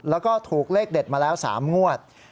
แล้วก็ถูกเลขเด็ดมาแล้ว๓งวด